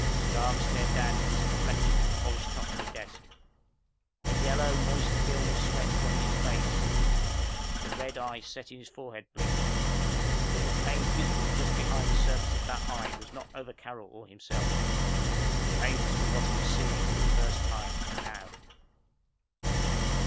Stark stared down at his reflection in the polished top of the desk. A yellow, moist film of sweat covered his face. The red eye set in his forehead blinked. But the pain visible just behind the surface of that eye was not over Carol or himself. The pain was for what he was seeing for the first time ... now.